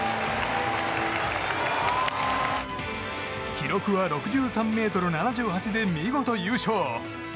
記録は６３ｍ７８で見事優勝。